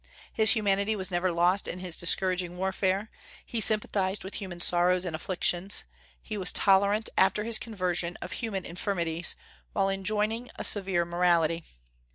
His humanity was never lost in his discouraging warfare; he sympathized with human sorrows and afflictions; he was tolerant, after his conversion, of human infirmities, while enjoining a severe morality.